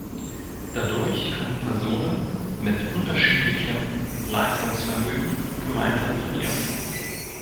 Dadurch können Personen mit unterschiedlichem Leistungsvermögen gemeinsam trainieren.